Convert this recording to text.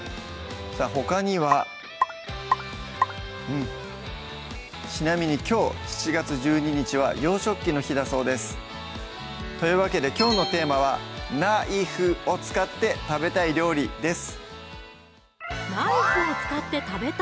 さぁほかにはうんちなみにきょう７月１２日は洋食器の日だそうですというわけできょうのテーマは「ナイフを使って食べたい料理」です